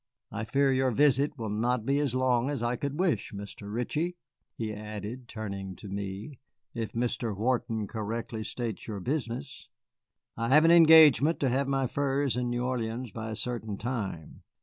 I fear your visit will not be as long as I could wish, Mr. Ritchie," he added, turning to me, "if Mr. Wharton correctly states your business. I have an engagement to have my furs in New Orleans by a certain time.